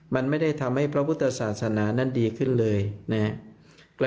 มันไม่ได้ทำให้พระพุทธศาสนานั้นดีขึ้นเลยนะครับ